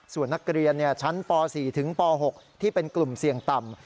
ส่วนนักเรียนชั้นป๔ถึงป๖ที่เป็นกลุ่มเสี่ยงต่ำ